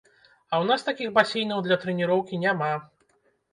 А ў нас такіх басейнаў для трэніроўкі няма.